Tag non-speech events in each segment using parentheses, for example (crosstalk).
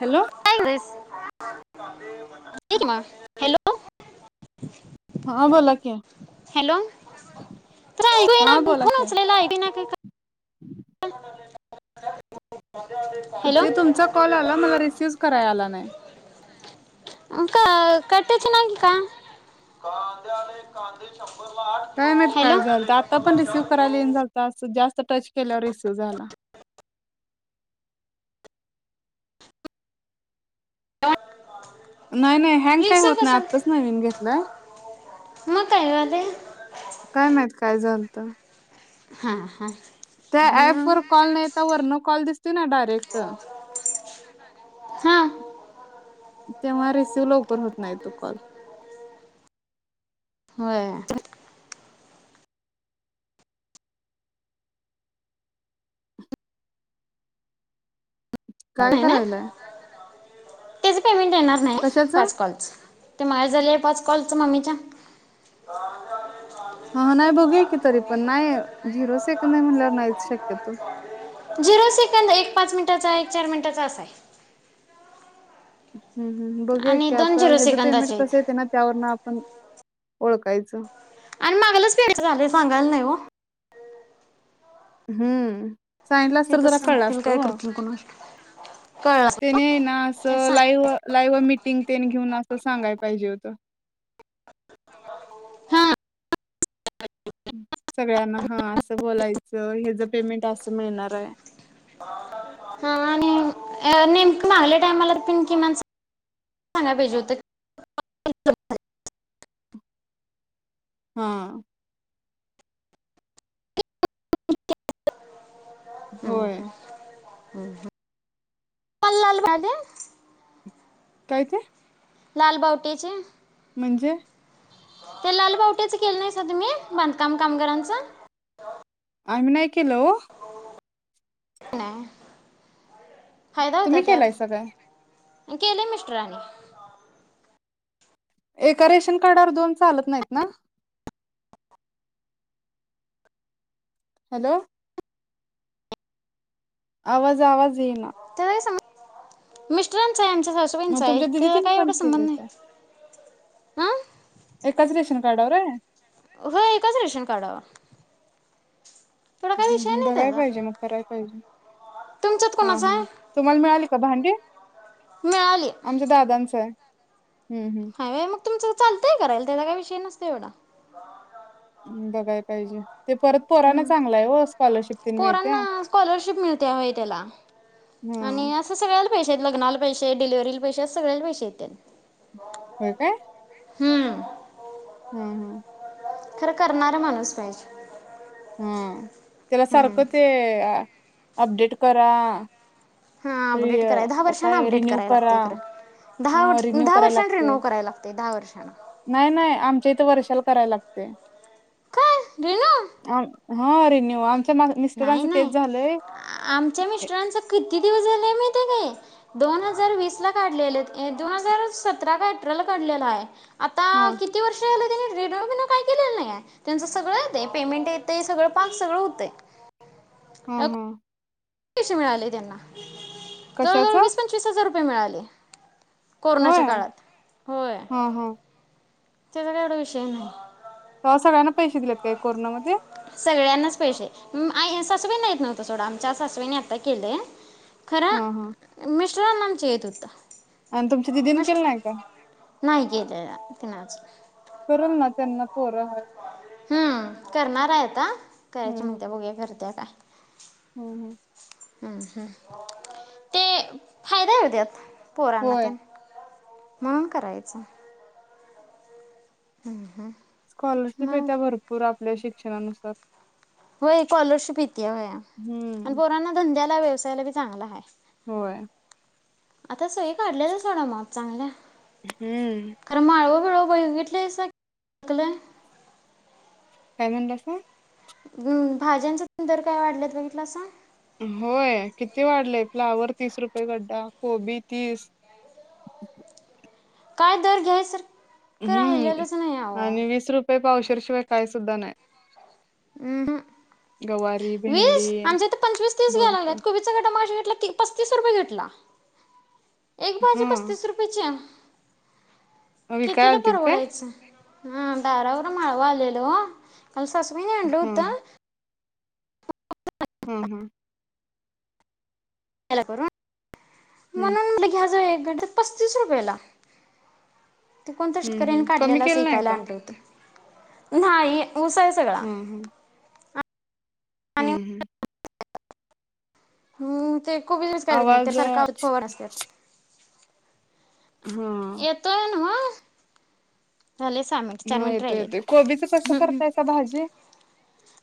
Hello (inaudible) hello हा बोला की, हॅलो तुला ऐकू हा येईना बोला फोन की उचलना (unintelligible) ते तुमचा कॉल आला मला रिसीवच कराय आला नाय का कट च नाही का? काय माहित हॅलो काय झालत आता पण रिसीव्ह करायला येन झालत अस जास्त टच केल्यावर रिसिव्ह झाला. (inaudible) नाही नाही हँग काय विसू होत नाय कसं आत्ताच नवीन घेतलाय म काय झालंय काय माहित काय झालत हा हा त्या ऍप वर कॉल नाहीता वर्ण कॉल दिसतो ना डायरेक्ट हा तेव्हा रिसिव्ह लवकर होत नाही तो कॉल व्हय काय करायलाय त्याच पेमेंट येणार नाही कशाच पाच कॉलचं ते माझ्या झाले पाच कॉलचा मम्मीच्या (inaudible) हां नाय बघूया की तरी पण नाय झिरो सेक नाही म्हणल्यावर नाहीच शक्यतो. झिरो सेकंद एक पाच मिनिटाचा एक चार मिनटाचा असाय. हम्म हम्म हू बघुया की आता हेज पेमेंट सेकंदाचे कसं आहेत येतय ना त्यावरन आपण ओळखायचं. आणि मागालाच (unintelligible) झालंय सांगायलाच नाही हो हम् सांगितला हे असतं तर कसं जरा कळलं सांगतील असतं काय ओ, करतील कोणास ठाऊक कळलं त्यानी आहे ना असं सांग लाईव लाईव्ह मीटिंग तेन घेऊन असं सांगायला पाहिजे होतं. हा सगळ्यांना हा असं बोलायचं हेज पेमेंट असं मिळणाराय. हा आणि नेमकं मागल्या टायमाला पिन किमान (unintelligible) ला पाहिजे होते. हा हं होय हं. (unintelligible) काय ते? लाल बाउटीची. म्हणजे ते लालबावट्याच केलं नाहीसा तुमी? बांधकाम कामगारांचं. आम्ही नाइ केलं ओ. नाय (inaudible) तुम्ही केलायसा काय? केलंय मिस्टरानी. एका रेशन कार्डावर दोन चालत नाहीत ना? हॅलो. आवाज आवाज. ज येईना मिस्टरा आहे आमच्या मग सासूबाईंचा आहे तुमच्या दिदी त्याचा तिने काय पण एवढा संबंध केलंय नाही. काय? हा. एकाच रेशन कार्डावराय. हो एकाच रेशन कार्डावर. एवढा काय हम् विषय हम् नाही बघाय पाहिजे, त्याचा मग कराय पाहिजे. तुमच्यात हा कोणाचा हा आहे तुम्हाला मिळाली का भांडी? मिळाली आमच्या दादांचंय. हम् हम् हाय व्हय, मग तुमचं चालतंय करायला त्याचा काही विषय नसतंय एवढा. ह बघाय पाहिजे. ते परत पोराना चांगला आहे हो स्कॉलरशिप तेन मिळत्या. पोरांना स्कॉलरशिप मिळते होय त्याला आणि असं सगळ्याला पैसे आहेत लग्नाला पैसे डिलेवारी पैसे सगळ्या पैसे येतेत. होय काय? हम हम हम खरं करणारा माणूस पाहिजे. हा त्याला हम्म सारखं ते अपडेट करा. हा अपडेट कराय दहा वर्षांना काय अपडेट रिन्यू करायला करा लागते खरं दहा ह वर्ष रिन्यू दहा करायला वर्षांना लागतय रिन्यू करायला लागते दहा वर्षांना नाही नाही आमच्या इथे वर्षाला करायला लागतंय. ते काय रिनू हा रे निवांत. नाही नाही आमच्या मिस्टरांचा किती दिवस झाला. मी ते का दोन हजार वीस ला काढलेले दोन हजार सतरा काय अठराला काढलेला आहे. हा आता किती वर्ष झालं? त्यांनी रिनुवल‌ बिनूव काय केलेलं नाही आहे त्यांच सगळं येते पेमेंट येत सगळं पाक सगळं होतंय. हम्म हम्म पैसे मिळाले त्यांना कशाच जवळजवळ वीस पंचवीस हजार. रुपये मिळाले. होय कोरोनाच्या काळात होय हा हा त्याचा काय एवढा विषय नाही. हा सगळ्यांना पैसे दिलेत काय कोरोनामध्ये? सगळ्यांनाच पैसे सासूबाईंना येत नव्हतं सोडा. आमच्या सासूबाईंनी आता केलंय. खरं हा हा मीस (unintelligible) हुता आणि तुमच्या दिदीन केले नाही काय? नाही गेलं तिनं करल ना त्यांना पोर हाय. हम्म करणार आहेत. आता करायचं हम्म म्हणत्या बघुया करत्या काय? हम्म हम्म हम्म हम्म ते फायदा आहे ओ त्यात पोरांना होय. त्या हम्म करायचं. हम् हम् स्कॉलरशिप येत्या भरपूर आप आपल्या शिक्षणानुसार होय स्कॉलरशिप येतिया होय आणि हम्म पोरांना धंद्यात त्या व्यवसायाला बी चांगला हाय. होय आता सोयी काढल्यात्या सोडा माप चांगल्या हम्म प बगीत दिसकले काय म्हणल्यासा हम् भाज्यांचा तेन दर काय वाढलेत बघितलासा होय किती वाढलेय फ्लावर तीस रुपये गड्डा कोबी तीस काय दर घ्यायसारख हम्म आणि वीस रुपये पावशेर पावशेर शिवाय काय सुद्धा नाय हम् हम भेंडी वीस आमच्या तर पंचवीस तीस घ्याय दोडक लागलेत कोबीसचा गड्डा मगाशी घेतला तीस पस्तीस रुपये घेतला. एक भाजी पस्तीस हा रुपयची विकाय कितीला आलतीत काय? परवडायचं हम दारावर माळव आलेल ओ काल सासूबाईंनी आणल हा होत. हा हा तेला करून हम्म म्हणून म्हटल घ्या जावा एक हेनी आणलेत पस्तीस रुपयला ते कोणतरी हम्म शेतकऱ्यांनी हम्म कमी काढलेला अस केलं नाही इकायला का? आणलं होतं. नाही. ऊस आहे सगळा हा हा आणि हम्म हम्म हम् ते खूब दिवस काढत नाही त्या आवाज सारखा औषध हा फवारत असतात. येतोय नव्ह. चार हा मिनिट येतोय येतोय राहिलेत कोबीच कसं हम्म. करताय सा भाजी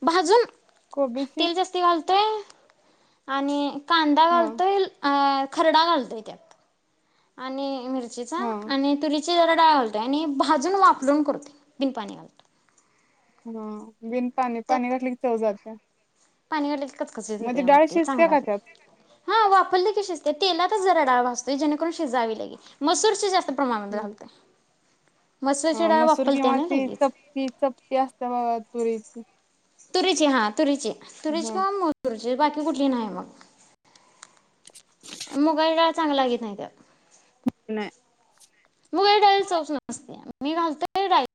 भाजून कोबीची तेल जास्त घालून तेल आणि कांदा हा घालतोय अ खरडा घालतोय त्यात आणि मीर मिरचीचा हा आणि तुरी जरा डाळ घालतोय आणि भाजून वापवून करतोय बिन पाणी घालता हा बिन पाणी पाणी घातली की चव जातिया पाणी घातलकी कचकचीत होतय म डाळ चांगल शिजत्या का लागत त्यात? नाही हा वाफलेकी शिजतय तेलात डाळ भाजतो जेणे करून शिजावी लगेच मसूरची जास्त प्रमाणात घालतोय मसूरची हा डाळ मसूर किंवा वाफलत्या हा ना ती लगेच चपटी चपटी असत्या बघा तुरी (inaudible) तुरीची हा तुरीची तुरीची किंवा मोर तुर्याची जे बाकी कुठली नाही मग मुगाची डाळ चांगली लागत नाय त्यात नाय मुगाच्या डाळीला चवच नसत्या मी घालतोय डाळीत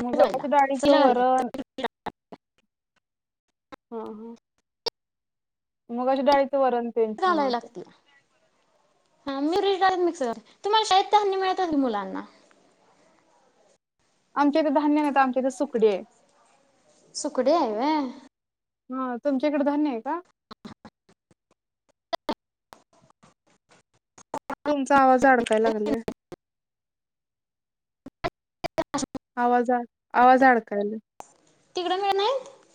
मुगाच डाळीचं चवीला वरण हा मुगाच्या डाळीत वरण तेन छान घालायला होत लागते हा मिरे घाल मिक्सर तुम्हाला शाळेत धान्य मिळत असेल की मुलांना आमच्या इथं धान्य नाहीत आमच्या इथे सुकडी आहे. सुकडी हाय व्हय. हा तुमच्याकडे धान्य आहे का? (unintelligible) तुमचा आवाज अडकाय लागलाय. आवाज आड आवाज अडकायलाय तिकडे मिळत नाहीत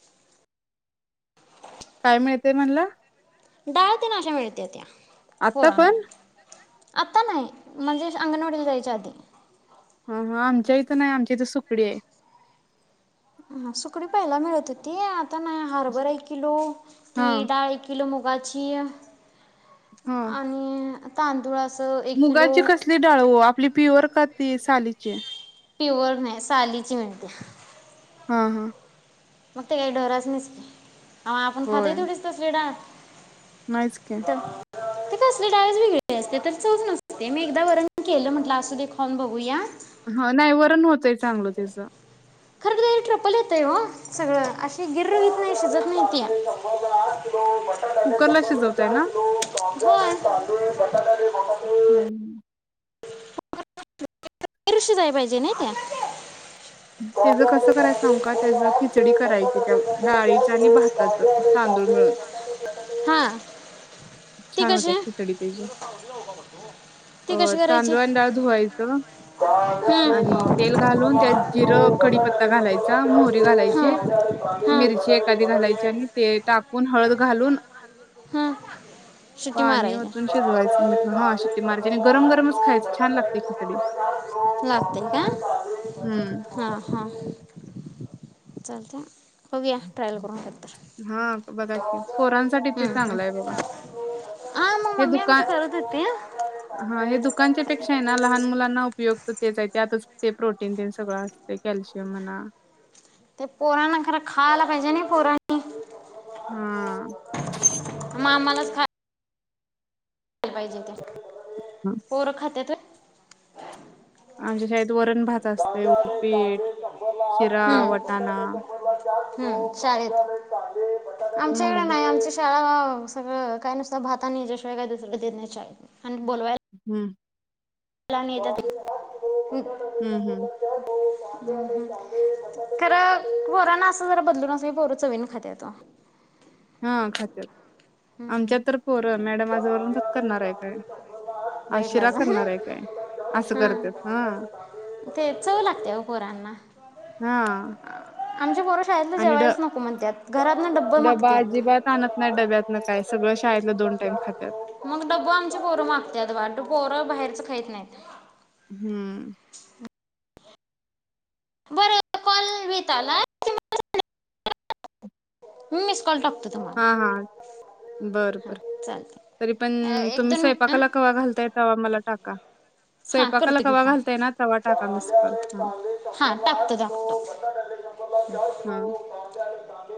काय मिळतय म्हणला डाळ्या त्यान अशा मिळत्या त्या आत्ता पण? आत्ता नाही म्हणजे अंगणवाडीला जायच्या आधी. हा हा आमच्या इथं नाही आमच्या इथं सुकडी आहे हा सुकडी पाहिल मिळत होती आ आता नाही हरभर एक किलो ती हा डाळ एक किलो मुग वाचीया हा आणि तांदुळ अस मुगाची कसली डाळ ओ आपली पिवर का ती सालीचे प्युअर नाही सालीची म्हणते हा हा म ते डोरासनिस की हा आपण खातोय होय तेवढीच तसली डाळ नाहीच की ती कसली डाळच वेगळे असते तिला चव नसते मी एकदा वरण केलं म्हटलं असू दे खाऊन बघू या ह नाही वरण होतय चांगलं त्याच खरं तर ट्रप्पल येतय ओ सगळं अशी गिर्र व्हित नाय शिजत नाय त्या कुकरला शिजवताय ना? होय (inaudible) र शिजाय पाहिजे नाही त्या (inaudible) त्याचं कसं करायच सांगू का त्याच खिचडी करायची त्या डाळीच आणि भाताच तांदूळ मिळून हा ती छान होत्या कशी खिचडी त्याची (inaudible) ती अ कशी करायची तांदूळ आणि डाळ धुवायच हम्म. हा आणि तेल घालून हा. त्यात जिरं कडीपत्ता घालायचा मोहरी घालायची मिरची एखादी घालायची आणि ते टाकून हळद घालून शीट्टी पाणी मारायच्या ओतून शिजवायचं मीठ हा शिट्टी मारायची आणि गरम गरमच खायचं छान लागते खिचडी लागते हहूं चालतय बघूया ट्रायल करून कधीतर हा बघा की पोरांसाठी हूं ते हूं चांगलं आहे बघा हा मग हे मम्मी आमची दुकान करत होती. हा हे दुकानच्या पेक्षा आहे ना लहान मुलांना उपयोगच तेच आहे त्यातच ते प्रोटीन तेन सगळं असतय कॅल्शियम म्हणा ते पोरांला खर खायला पाहिजे ना पोरांनी हा मग आम्हालाच पाहिजे ते पोर खात्यात व्हय आमच्या शाळेत वरण भात असते उपीट शिरा हम्म वटाणा हूं चालेल हम्म आमच्याकड नाय आमच्या हा सगळ काय नसत भात आणि हेच्या शिवाय काय दुसर देत नाहीत शाळेत आणि बोलाव हम्म ला नेत्यात आम् हम्म हम्म खरं पोराना असं जरा बदलून असलं पोर चवीन खात्यात ओ हा खात्यात हम्म आमच्यात तर पोर मॅडम आज वरण भात करणार आहे काय आज शिरा बघितलाच करणार आहे काय असं करत्यात हा ते चव लागते ओ पोरांना. हा आमची पोरं शाळेतला आणि ड जेवायलाच नको म्हणत्यात घरातन डब्ब मागत्यात ना काय सगळं शाळेतलं दोन टाइम खात्यात. मग डब्ब आमची पोरं मागत्यात बा पोरं बाहेरच खाईत नाहीत हम्म बरं कॉल व्हित आलाय (inaudible) मिस कॉल टाक हा हा बर हा बर तरी पण चालतंय. एक तुम्ही दोन मिनिट स्वयंपाकाला कवा घालताय तवा मला टाका हा स्वयंपाकाला करतो कि कवा फोन घालताय ना तवा टाका मिस कॉल हा हा टाकतो टाकतो हा. हम